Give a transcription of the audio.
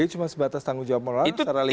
jadi cuma sebatas tanggung jawab moral secara legal